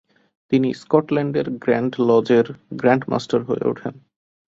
তিনি স্কটল্যান্ডের গ্র্যান্ড লজের গ্র্যান্ডমাস্টার হয়ে উঠেন।